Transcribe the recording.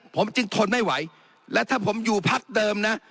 ผมจึงทนไม่ไหวและถ้าผมอยู่พักเดิมนะ